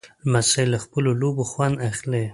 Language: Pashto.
لمسی له خپلو لوبو خوند اخلي.